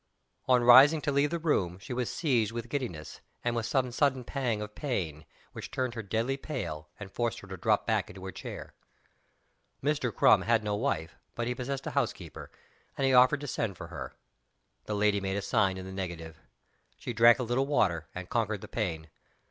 On rising to leave the room she was seized with giddiness, and with some sudden pang of pain, which turned her deadly pale and forced her to drop back into her chair. Mr. Crum had no wife; but he possessed a housekeeper and he offered to send for her. The lady made a sign in the negative. She drank a little water, and conquered the pain.